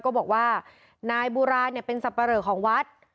ก็บอกว่านายบุราเนี่ยเป็นสับปะเหลอของวัด